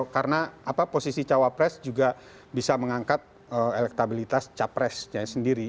karena posisi cawapres juga bisa mengangkat elektabilitas capresnya sendiri